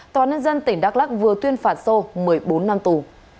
tòa nhân dân tỉnh đắk lắc vừa tuyên phạt sô một mươi bốn năm tù